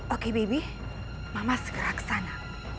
oke baby mama segera kesana